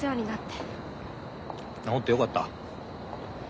治ってよかった。